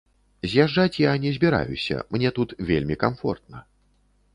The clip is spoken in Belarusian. З'язджаць я не збіраюся, мне тут вельмі камфортна.